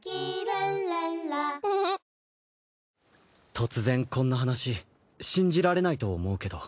突然こんな話信じられないと思うけど。